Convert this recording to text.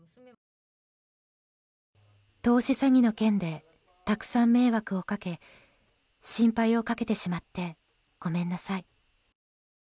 投資詐欺の件でたくさん迷惑をかけ心配をかけてしまってごめんなさい。